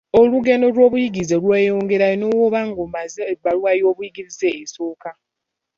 Olugendo lw'obuyigirize lweyongerayo ne bwoba nga omaze ebbaluwayo ey'obuyigirize esooka.